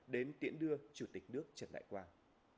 đến tiễn đưa chủ tịch nước trần đại quang